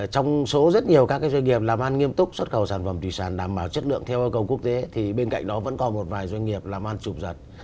trong số rất nhiều các doanh nghiệp làm ăn nghiêm túc xuất khẩu sản phẩm thủy sản đảm bảo chất lượng theo cầu quốc tế thì bên cạnh đó vẫn còn một vài doanh nghiệp làm ăn trộm giật